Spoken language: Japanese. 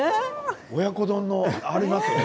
親子丼でありますよね